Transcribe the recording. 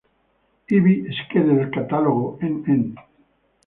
Ivi, schede del catalogo nn.